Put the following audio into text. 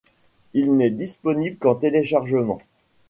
Il n'est disponible qu'en téléchargement.